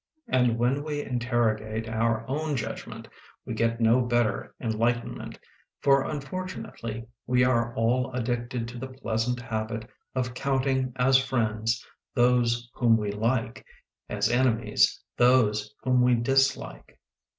And when we interrogate our own judgment, we get no better enlightenment, for un fortunately we are all addicted to the pleasant habit of counting as friends, those whom we like; as enemies, those whom we dislike.